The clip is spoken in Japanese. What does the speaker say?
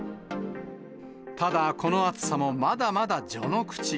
ただ、この暑さもまだまだ序の口。